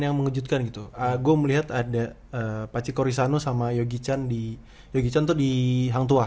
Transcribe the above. yang mengejutkan itu aku melihat ada pakcik orisano sama yogi candi yogi cantu di hangtuah